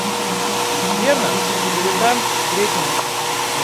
Верно, клевета, сплетни.